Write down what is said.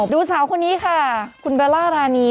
ดูสาวคนนี้ค่ะคุณเบลล่ารานี